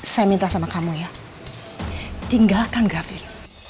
saya minta sama kamu ya tinggalkan gavir